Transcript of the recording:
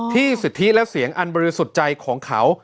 สิทธิและเสียงอันบริสุทธิ์ใจของเขา